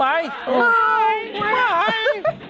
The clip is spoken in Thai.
ไม่ไม่หาย